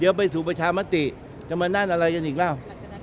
เดี๋ยวไปสู่ประชามติจะมานั่นอะไรกันอีกแล้ว